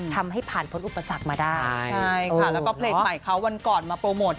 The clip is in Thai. ทำให้ผ่านพ้นอุปสรรคมาได้ใช่ค่ะแล้วก็เพลงใหม่เขาวันก่อนมาโปรโมท